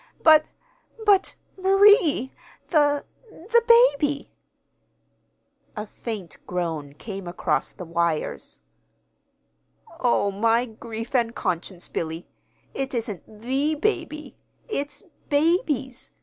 But but Marie! The the baby!" A faint groan came across the wires. "Oh, my grief and conscience, Billy! It isn't the baby. It's _babies!